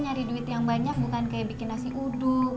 nyari duit yang banyak bukan kayak bikin nasi uduk